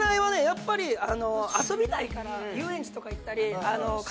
やっぱり遊びたいから遊園地とか行ったり買い物行ったり。